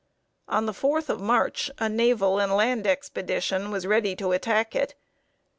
On the 4th of March, a naval and land expedition was ready to attack it.